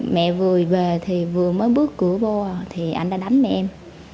mẹ vừa về thì vừa mới bước cửa vô thì anh đã đánh mẹ em